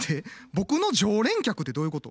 僕の常連客ってどういうこと？